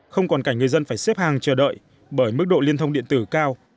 không còn cảnh người dân phải xếp hàng chờ đợi bởi mức độ liên thông điện tử cao